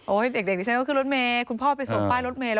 โอ๊ยเด็กนี้ฉันคือรถเมช์คุณพ่อไปส่มป้ายรถเมช์